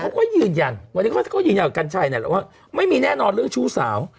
เขาก็ยืนยันวันนี้เขาก็ยืนยันกับกัญชัยเนี่ยแหละว่าไม่มีแน่นอนเรื่องชู้สาว